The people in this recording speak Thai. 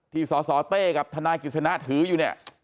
ที่สเต้กับทนายกิจสนาถืออยู่